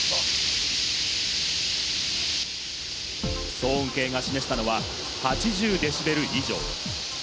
騒音計が示したのは８０デシベル以上。